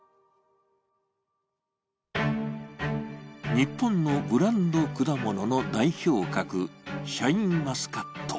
日本のブランド果物の代表格、シャインマスカット。